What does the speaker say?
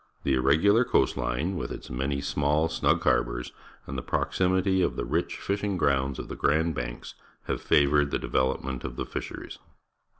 The irregular coast line, with its many small, snug harbours, and the proximity of the rich fishing grounds of the Grand Banks, have favoured the de\elopment of the fisheries.